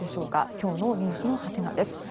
今日のｎｅｗｓのハテナです。